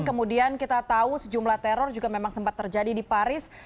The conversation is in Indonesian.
kemudian kita tahu sejumlah teror juga memang sempat terjadi di paris